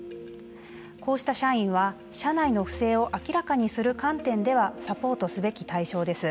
こうした社員は社内の不正を明らかにする観点ではサポートすべき対象です。